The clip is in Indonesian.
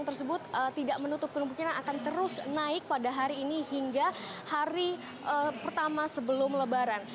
tersebut tidak menutup kemungkinan akan terus naik pada hari ini hingga hari pertama sebelum lebaran